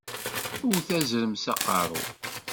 Wwet azrem s aqeṛṛu!